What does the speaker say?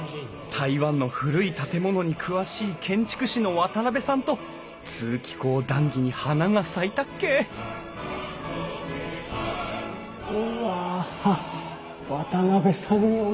台湾の古い建物に詳しい建築士の渡邉さんと通気口談議に花が咲いたっけうわ渡邉さんに教えてあげたい！